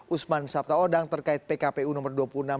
usman sabtaodang terkait pkpu nomor dua puluh enam dua ribu delapan belas